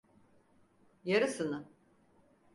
Yarısını.